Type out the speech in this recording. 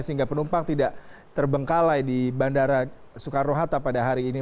sehingga penumpang tidak terbengkalai di bandara soekarno hatta pada hari ini